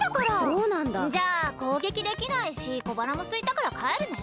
そうなんだ。じゃあこうげきできないしこばらもすいたからかえるね。